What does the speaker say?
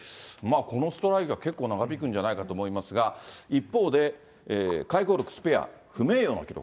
このストライキは結構長引くんじゃないかと思いますが、一方で、回顧録スペア、不名誉な記録。